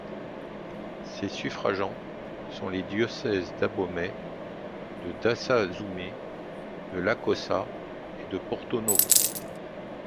Ses suffragants sont les diocèses d'Abomey, de Dassa-Zoumé, de Lokossa et de Porto Novo.